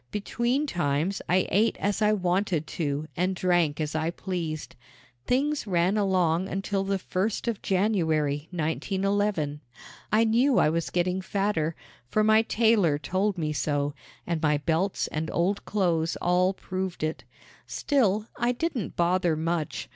Between times I ate as I wanted to and drank as I pleased. Things ran along until the first of January, 1911. I knew I was getting fatter, for my tailor told me so and my belts and old clothes all proved it. Still, I didn't bother much.